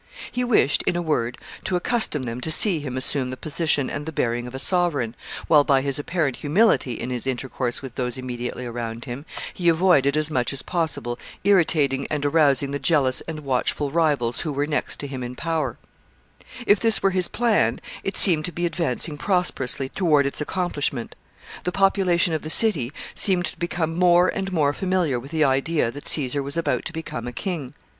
He wished, in a word, to accustom them to see him assume the position and the bearing of a sovereign, while, by his apparent humility in his intercourse with those immediately around him, he avoided as much as possible irritating and arousing the jealous and watchful rivals who were next to him in power. [Sidenote: Progress of Caesar's plans.] If this were his plan, it seemed to be advancing prosperously toward its accomplishment. The population of the city seemed to become more and more familiar with the idea that Caesar was about to become a king.